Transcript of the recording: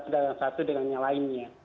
sedangkan satu dengan yang lainnya